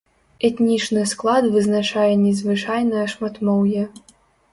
Этнічны склад вызначае незвычайнае шматмоўе.